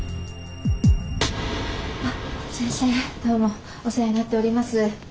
先生どうもお世話になっております。